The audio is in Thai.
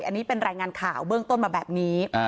อันนี้เป็นรายงานข่าวเบื้องต้นมาแบบนี้